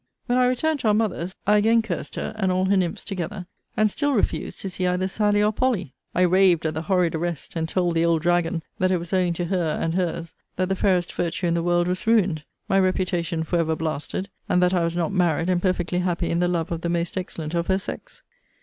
When I returned to our mother's, I again cursed her and all her nymphs together; and still refused to see either Sally or Polly! I raved at the horrid arrest; and told the old dragon that it was owing to her and her's that the fairest virtue in the world was ruined; my reputation for ever blasted; and that I was not married and perfectly happy in the love of the most excellent of her sex.